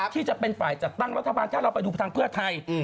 ที่จะเป็นฝ่ายจัดตั้งรัฐบาลถ้าเราไปดูทางเพื่อไทย